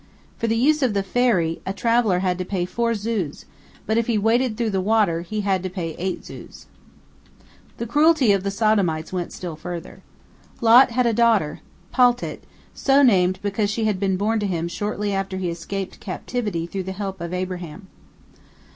For the use of the ferry, a traveller had to pay four zuz, but if he waded through the water, he had to pay eight zuz. The cruelty of the Sodomites went still further. Lot had a daughter, Paltit, so named because she had been born to him shortly after he escaped captivity through the help of Abraham.